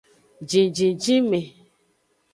Jinjinjinme.